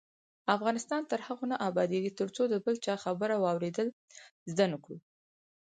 افغانستان تر هغو نه ابادیږي، ترڅو د بل چا خبره واوریدل زده نکړو.